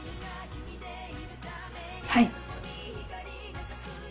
はい。